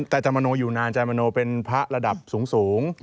แต่จมโนอยู่นานอาจารย์มโนเป็นพระระดับสูง